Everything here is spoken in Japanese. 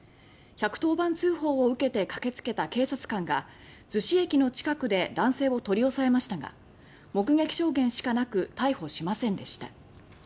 １１０番通報を受けて駆けつけた警察官が逗子駅の近くで男性を取り押さえましたが目撃証言しかなく逮捕しませんでした。